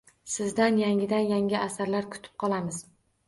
Sizdan yangidan-yangi asarlar kutib qolamiz.